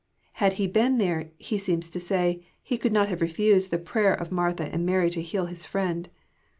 HadUebcen there. He seems to say, He coald not have reftised the prayer of Martha and Mary to heal His Ariend.